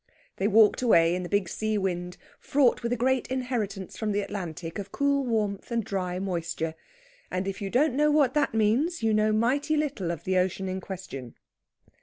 They walked away in the big sea wind, fraught with a great inheritance from the Atlantic of cool warmth and dry moisture. And if you don't know what that means, you know mighty little of the ocean in question.